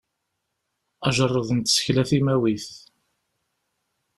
Ajerreḍ n tsekla timawit.